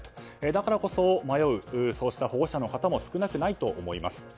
だからこそ迷うそうした保護者の方も少なくないと思います。